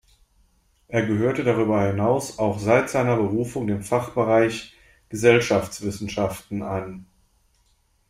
Er gehörte darüber hinaus auch seit seiner Berufung dem Fachbereich Gesellschaftswissenschaften an.